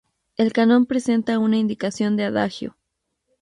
El canon presenta una indicación de "Adagio".